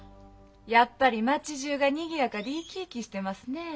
やっぱり町じゅうがにぎやかで生き生きしてますねえ。